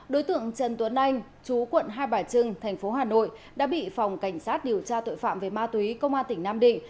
đối tượng trần tuấn anh chú quận hai bà trưng thành phố hà nội đã bị phòng cảnh sát điều tra tội phạm về ma túy công an tỉnh nam định